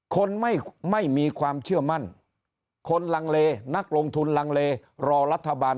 คนไม่มีความเชื่อมั่นคนลังเลนักลงทุนลังเลรอรัฐบาล